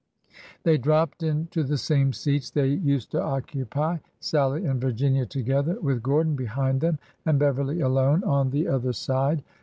They dropped into the same seats they used to occupy 52 ORDER NO. 11 — Sallie and Virginia together, with Gordon behind them and Beverly alone on the other side.